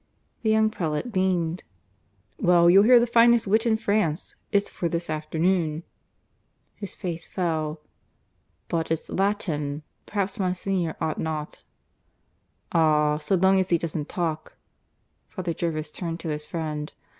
The young prelate beamed. "Well, you'll hear the finest wit in France! It's for this afternoon." (His face fell.) "But it's Latin. Perhaps Monsignor ought not " "Ah! so long as he doesn't talk !" (Father Jervis turned to his friend.)